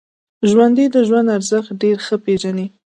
ژوندي د ژوند ارزښت ډېر ښه پېژني